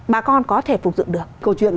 bà con có thể phục dụng được câu chuyện